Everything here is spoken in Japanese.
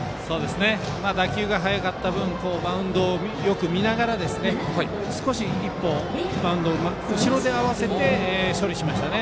打球が速かった分バウンドをよく見ながら少し１歩バウンドを後ろで合わせて処理しましたね。